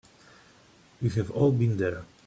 We've all been there.